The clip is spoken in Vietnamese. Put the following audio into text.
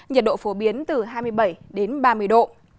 nhiệt độ phổ biến từ hai mươi bảy đến ba mươi độ